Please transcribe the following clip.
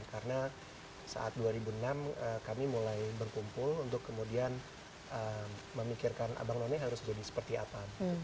karena saat dua ribu enam kami mulai berkumpul untuk kemudian memikirkan abang none harus jadi seperti apa